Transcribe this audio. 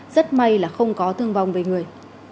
rất may là không có thương vong về người